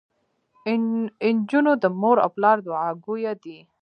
انجونو د مور او پلار دوعاګويه دي.